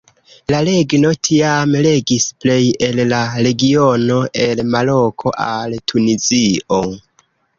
La regno tiame regis plej el la regiono el Maroko al Tunizio.